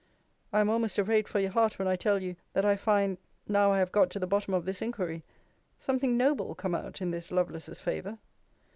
I am almost afraid for your heart, when I tell you, that I find, now I have got to the bottom of this inquiry, something noble come out in this Lovelace's favour.